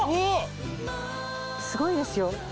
すごいですよ。